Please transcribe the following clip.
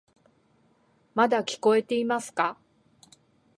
まだ聞こえていますか？